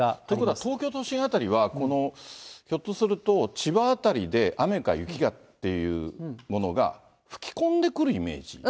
ということは、東京都心辺りは、ひょっとすると、千葉辺りで雨か雪がっていうものが吹き込んでくるイメージ？